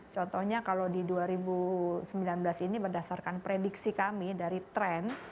contohnya kalau di dua ribu sembilan belas ini berdasarkan prediksi kami dari tren